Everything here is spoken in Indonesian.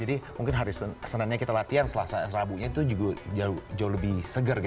jadi mungkin hari senangnya kita latihan selasa sabunya itu jauh lebih segar gitu